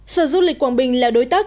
sở du lịch quảng bình là đối tác